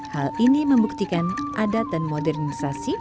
hal ini membuktikan adat dan modernisasi